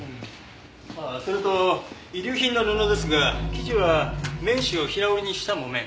ああそれと遺留品の布ですが生地は綿糸を平織りにした木綿。